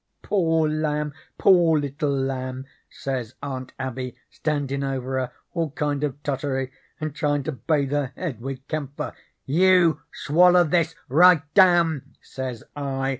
"'Poor lamb, poor little lamb,' says Aunt Abby, standin' over her, all kind of tottery, and tryin' to bathe her head with camphor. "'YOU SWALLER THIS RIGHT DOWN,' says I.